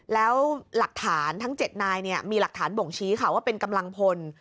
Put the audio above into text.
แล้วหลักฐานทั้ง๗นายมีหลักฐานบ่งชี้ค่ะว่าเป็นกำลังพล